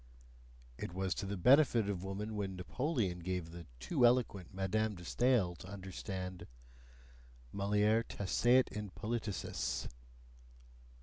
It was to the benefit of woman when Napoleon gave the too eloquent Madame de Stael to understand: mulier taceat in politicis!